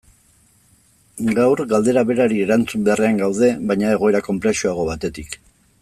Gaur, galdera berari erantzun beharrean gaude, baina egoera konplexuago batetik.